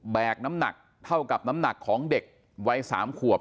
กน้ำหนักเท่ากับน้ำหนักของเด็กวัย๓ขวบ